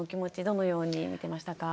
どのように見てましたか？